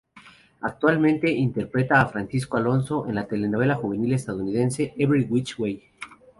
Actualmente interpreta a Francisco Alonso en la telenovela juvenil estadounidense "Every Witch Way".